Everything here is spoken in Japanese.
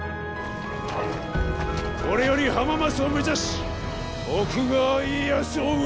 これより浜松を目指し徳川家康を討つ！